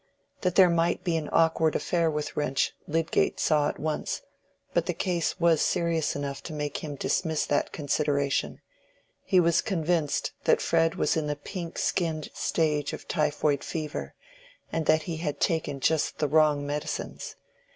That there might be an awkward affair with Wrench, Lydgate saw at once; but the case was serious enough to make him dismiss that consideration: he was convinced that Fred was in the pink skinned stage of typhoid fever, and that he had taken just the wrong medicines.